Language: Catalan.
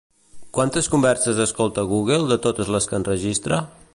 Quantes converses escolta Google de totes les que enregistra?